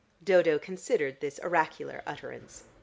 Dodo considered this oracular utterance.